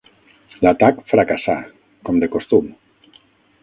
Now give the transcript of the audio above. L'atac fracassà, com de costum.